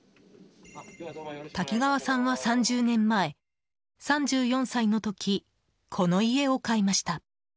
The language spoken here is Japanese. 滝川さんは３０年前、３４歳の時この家を買いました。